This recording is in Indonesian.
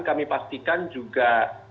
kami pastikan juga